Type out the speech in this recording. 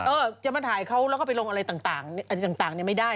เออจะมาถ่ายเขาแล้วก็ไปลงอะไรต่างอะไรต่างไม่ได้